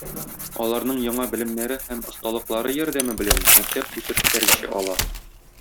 Аларның яңа белемнәре һәм осталыклары ярдәме белән мәктәп үсеш этәргече ала.